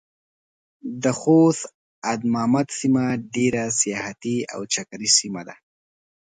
د خوست ادمامد سيمه ډېره سياحتي او چکري سيمه ده.